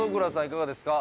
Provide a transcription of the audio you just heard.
いかがですか？